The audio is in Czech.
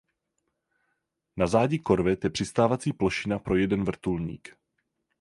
Na zádi korvet je přistávací plošina pro jeden vrtulník.